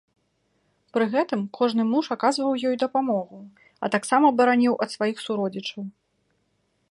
Пры гэтым кожны муж аказваў ёй дапамогу, а таксама бараніў ад сваіх суродзічаў.